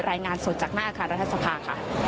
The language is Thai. รายงานสดจากหน้าอาคารรัฐสภาค่ะ